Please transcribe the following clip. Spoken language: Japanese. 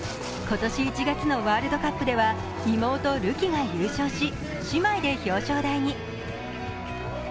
今年１月のワールドカップでは妹・るきが優勝し、姉妹で表彰台に。